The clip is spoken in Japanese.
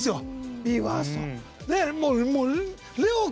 ＢＥ：ＦＩＲＳＴ。